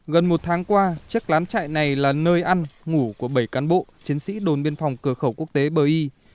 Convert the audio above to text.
gần một tháng qua chiếc lán chạy này là nơi ăn ngủ của bảy cán bộ chiến sĩ đồn biên phòng cửa khẩu quốc tế bờ y